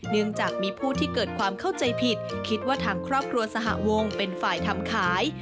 เนื่องจากมีผู้ที่เกิดความเข้าใจผิดคิดว่าทางครอบครัวสหวงเป็นฝ่ายทำขาย